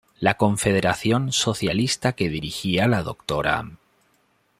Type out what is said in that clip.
La Confederación Socialista que dirigía la Dra.